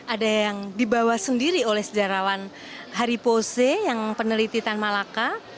ada yang dibawa sendiri oleh sejarawan haripose yang peneliti tan malaka